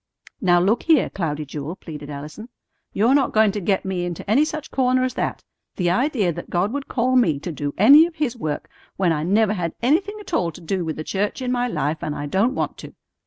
"Now, look here, Cloudy Jewel," pleaded Allison. "You're not going to get me into any such corner as that. The idea that God would call me to do any of His work when I never had anything at all to do with the church in my life, and I don't want to.